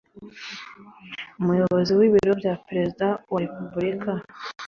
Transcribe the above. Umuyobozi w’ Ibiro bya Perezida wa Repubulika